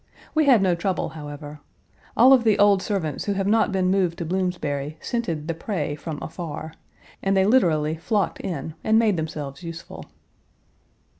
We had no trouble, however. All of the old servants who have not been moved to Bloomsbury scented the prey from afar, and they literally flocked in and made themselves useful.